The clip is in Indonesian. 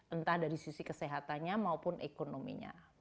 entah dari sisi kesehatannya maupun ekonominya